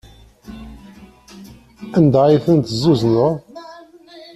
Anda ay ten-tezzuzneḍ?